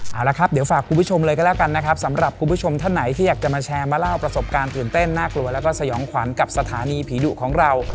เอาละครับเดี๋ยวฝากคุณผู้ชมเลยก็แล้วกันนะครับสำหรับคุณผู้ชมท่านไหนที่อยากจะมาแชร์มาเล่าประสบการณ์ตื่นเต้นน่ากลัวแล้วก็สยองขวัญกับสถานีผีดุของเรา